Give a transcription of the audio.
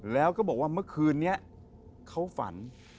แล้วก็บอกว่าเมื่อคืนนี้เขาฝัน